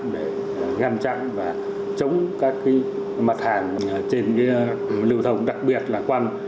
để ngăn chặn và chống các mặt hàng trên lưu thông đặc biệt là quăn